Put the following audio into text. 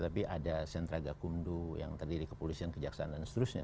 tapi ada sentra gakumdu yang terdiri kepolisian kejaksaan dan seterusnya